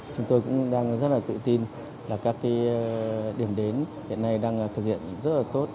chúng tôi cũng đang rất là tự tin là các điểm đến hiện nay đang thực hiện rất là tốt